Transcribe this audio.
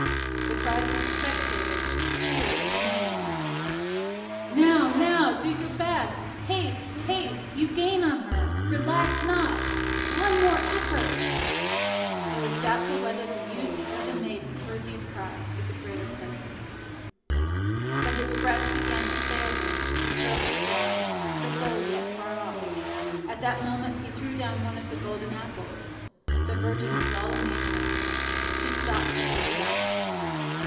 The cries of the spectators cheered Hippomenes, "Now, now, do your best! haste, haste! you gain on her! relax not! one more effort!" It was doubtful whether the youth or the maiden heard these cries with the greater pleasure. But his breath began to fail him, his throat was dry, the goal yet far off. At that moment he threw down one of the golden apples. The virgin was all amazement. She stopped to pick it up.